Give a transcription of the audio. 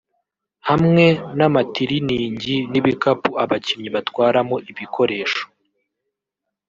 hamwe n’amatiliningi n’ibikapu abakinnyi batwaramo ibikoresho